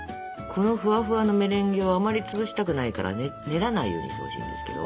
このふわふわのメレンゲをあまり潰したくないからね練らないようにしてほしいんですけど。